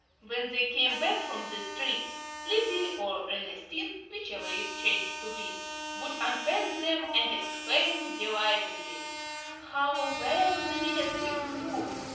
When they came back from these trips, Lizzie or Ernestine, whichever it chanced to be, would unpack them, and exclaim delightedly, "How well the dear things look!